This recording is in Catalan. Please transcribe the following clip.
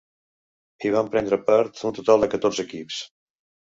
Hi van prendre part un total de catorze equips.